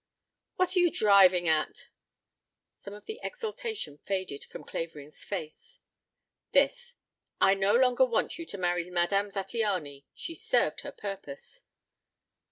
"What are you driving at?" Some of the exultation faded from Clavering's face. "This. I no longer want you to marry Madame Zattiany. She's served her purpose."